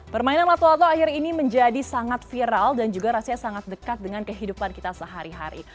permainan lato lato akhir ini menjadi sangat viral dan juga rasanya sangat dekat dengan kehidupan kita sehari hari